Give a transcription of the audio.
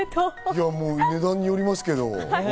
値段によりますけど。